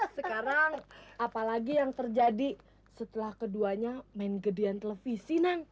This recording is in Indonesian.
sekarang apalagi yang terjadi setelah keduanya main gedian televisi